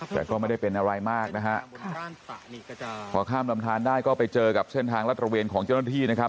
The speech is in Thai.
แต่ก็ไม่ได้เป็นอะไรมากนะฮะพอข้ามลำทานได้ก็ไปเจอกับเส้นทางรัฐระเวนของเจ้าหน้าที่นะครับ